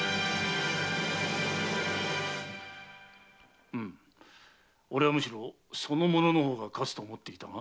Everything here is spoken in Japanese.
〕うむ俺はむしろその者の方が勝つと思っていたが。